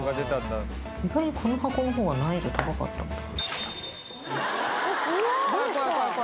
意外とこの箱の方が難易度高かったんだ